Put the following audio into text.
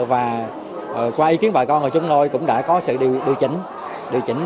và qua ý kiến bà con của chúng tôi cũng đã có sự điều chỉnh